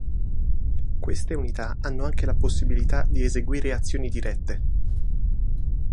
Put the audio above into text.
Queste unità hanno anche la possibilità di eseguire azioni dirette.